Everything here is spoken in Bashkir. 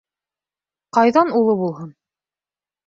— Ҡайҙан улы булһын.